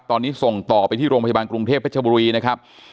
ตอนนี้ส่งต่อไปที่โรงพยาบาลกรุงเทพเพชรบุรีนะครับ